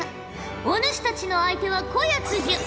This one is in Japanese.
お主たちの相手はこやつじゃ！